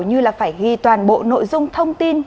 như là phải ghi toàn bộ nội dung thông tin